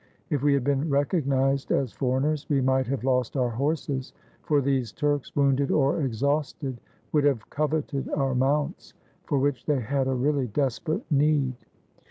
If we had been recognized as for eigners, we might have lost our horses; for these Turks, wounded or exhausted, would have coveted our mounts, for which they had a really desperate need.